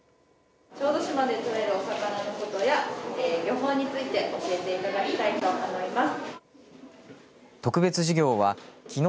小豆島で取れるお魚のことについて教えていきたいと思います。